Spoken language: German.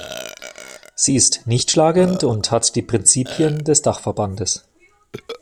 Sie ist nicht-schlagend und hat die Prinzipien des Dachverbandes.